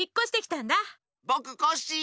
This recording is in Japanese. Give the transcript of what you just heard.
ぼくコッシー。